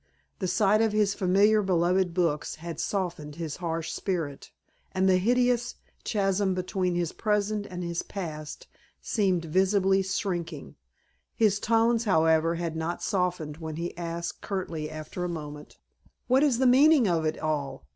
The sight of his familiar beloved books had softened his harsh spirit, and the hideous chasm between his present and his past seemed visibly shrinking. His tones, however, had not softened when he asked curtly after a moment: "What is the meaning of it all?